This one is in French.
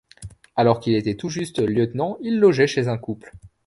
Alors qu’il était tout juste lieutenant il logeait chez un couple.